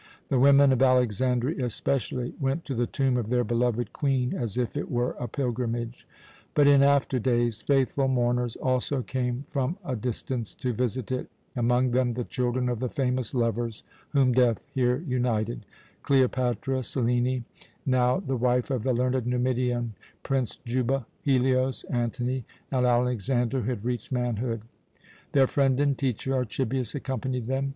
The women of Alexandria, especially, went to the tomb of their beloved Queen as if it were a pilgrimage; but in after days faithful mourners also came from a distance to visit it, among them the children of the famous lovers whom death here united Cleopatra Selene, now the wife of the learned Numidian Prince Juba, Helios Antony, and Alexander, who had reached manhood. Their friend and teacher, Archibius, accompanied them.